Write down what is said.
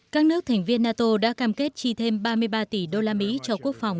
các nước thành viên nato đã cam kết tri thêm ba mươi ba tỷ đô la mỹ cho quốc phòng